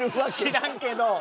知らんけど。